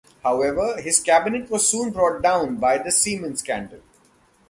However, his cabinet was soon brought down by the Siemens scandal.